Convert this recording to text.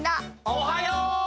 おはよう！